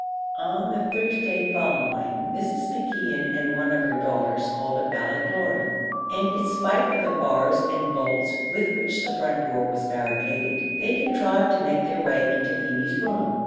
On the Thursday following Mrs. McKeon and one of her daughters called at Ballycloran, and in spite of the bars and bolts with which the front door was barricaded, they contrived to make their way into Feemy's room.